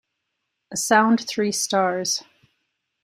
A sound three stars.